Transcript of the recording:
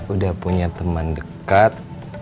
udah punya teman dekat